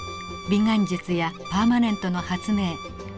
美顔術やパーマネントの発明。